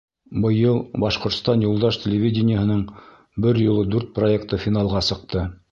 Быйыл Башҡортостан юлдаш телевидениеһының бер юлы дүрт проекты финалға сыҡты.